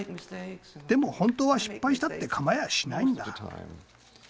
でも本当は失敗したってかまやしないんだ。